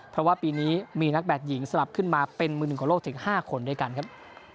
เพราะว่าปีนี้มีนักแบตหญิงสลับขึ้นมาเป็นมือหนึ่งของโลกถึง๕คนด้วยกันครับ